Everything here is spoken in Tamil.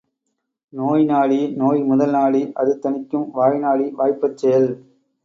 நோய்நாடி நோய்முதல் நாடி அது தணிக்கும் வாய்நாடி வாய்ப்பச் செயல்.